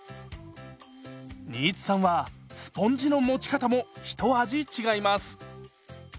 新津さんはスポンジの持ち方も一味違います。